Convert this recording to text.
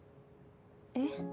えっ？